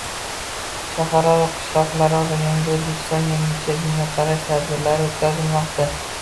Shaharu qishloqlarda “Yangi O‘zbekiston – yangicha dunyoqarash” tadbirlari o‘tkazilmoqda